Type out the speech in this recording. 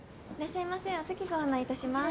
お席ご案内いたします。